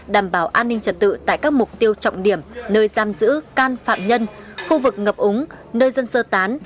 đảm bảo an ninh trật tự tại các mục tiêu trọng điểm nơi giam giữ can phạm nhân khu vực ngập úng nơi dân sơ tán